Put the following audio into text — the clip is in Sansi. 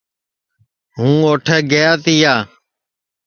ہُوں اُوٹھے گَیا تِیا